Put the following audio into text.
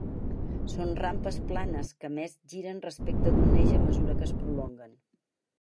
Són rampes planes que a més giren respecte d'un eix a mesura que es prolonguen.